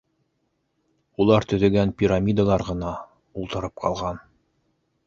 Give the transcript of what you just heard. Улар төҙөгән пирамидалар ғына ултырып ҡалған.